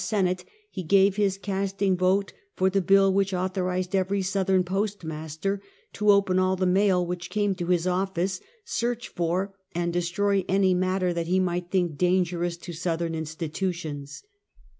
Senate, he gave his casting vote for the bill which authorized every Southern post master to open all the mail which came to his office, search for and destroy any matter that he might think dangerous to Southern institutions.